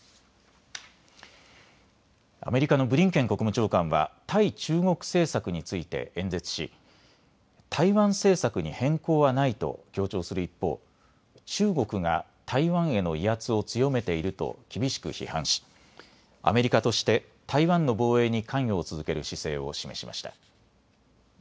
アメリカのブリンケン国務長官は対中国政策について演説し台湾政策に変更はないと強調する一方、中国が台湾への威圧を強めていると厳しく批判しアメリカとして台湾の防衛に関与を続ける姿勢を示しました。